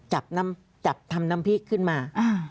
จับทำน้ำพริกขึ้นมา